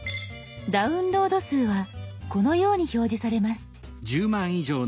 「ダウンロード数」はこのように表示されます。